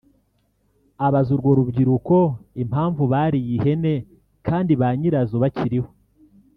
abaza urwo rubyiruko impamvu bariye ihene kandi ba nyirazo bakiriho